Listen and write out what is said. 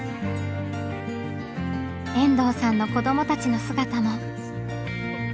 遠藤さんの子どもたちの姿も。